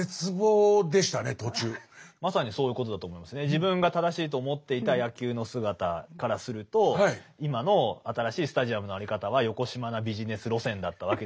自分が正しいと思っていた野球の姿からすると今の新しいスタジアムの在り方はよこしまなビジネス路線だったわけですけども。